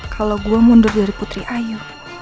kalau gue mundur dari putri ayu